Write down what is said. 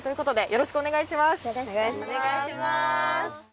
よろしくお願いします。